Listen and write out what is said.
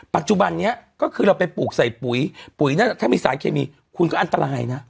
ปัจจุบันนี้ก็คือเราไปปลูกใส่ปุ๋ยปุ๋ยถ้ามีสารเคมีคุณก็อันตรายนะ